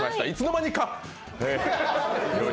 いつの間にか。